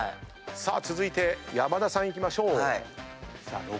さあ続いて山田さんいきましょう。